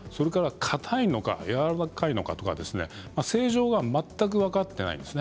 かたいのか、やわらかいのかとか性状は全く分かっていないんです。